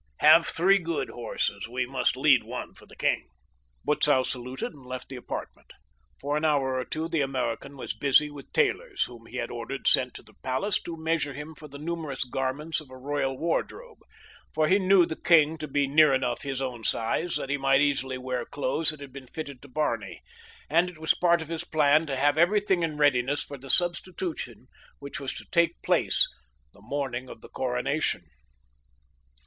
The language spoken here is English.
Have three good horses. We must lead one for the king." Butzow saluted and left the apartment. For an hour or two the American was busy with tailors whom he had ordered sent to the palace to measure him for the numerous garments of a royal wardrobe, for he knew the king to be near enough his own size that he might easily wear clothes that had been fitted to Barney; and it was part of his plan to have everything in readiness for the substitution which was to take place the morning of the coronation.